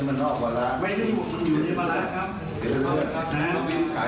ถ้าถ่าถ่ายหน่อยผมได้นั่งใกล้ผลสวย